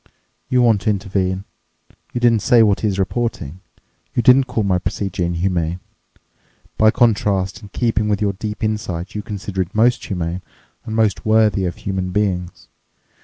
You want to intervene—you didn't say what he is reporting—you didn't call my procedure inhuman; by contrast, in keeping with your deep insight, you consider it most humane and most worthy of human beings.